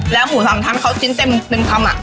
แล้วหมูสามชั้นเขาชิ้นเต็ม๑คำ